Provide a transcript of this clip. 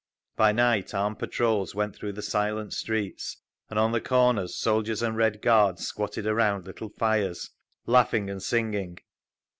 By night armed patrols went through the silent streets, and on the corners soldiers and Red Guards squatted around little fires, laughing and singing.